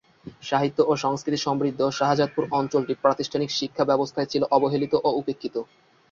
সাহিত্য ও সংস্কৃতি সমৃদ্ধ শাহজাদপুর অঞ্চলটি প্রাতিষ্ঠানিক শিক্ষা ব্যবস্থায় ছিল অবহেলিত ও উপেক্ষিত।